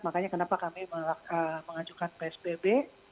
makanya kenapa kami mengajukan psbb